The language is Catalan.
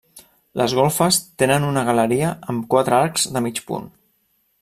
Les golfes tenen una galeria amb quatre arcs de mig punt.